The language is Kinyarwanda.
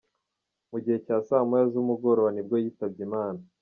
Mu gihe cya saa Moya z’umugoroba nibwo yitabye Imana.